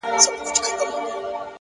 هره تېروتنه د نوي فهم دروازه ده,